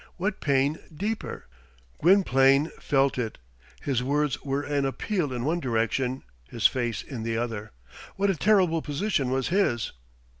what pain deeper? Gwynplaine felt it. His words were an appeal in one direction, his face in the other. What a terrible position was his!